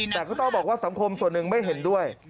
แต่ก็ต้องบอกว่าสังคมส่วนหนึ่งไม่เห็นด้วย